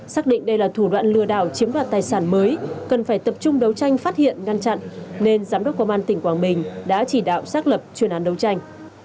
xác định đây là thủ đoạn lừa đảo chiếm đoạt tài sản mới cần phải tập trung đấu tranh phát hiện ngăn chặn nên giám đốc công an tỉnh quảng bình đã chỉ đạo xác lập chuyên án đấu tranh